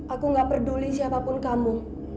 aku gak peduli siapapun kamu